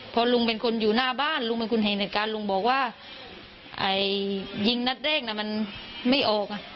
เป็นคนอยู่หน้าบ้านโรงไม่คุณเห็นจากการลูงบอกว่ายิงนัดเริ่มไม่เอาค่ะ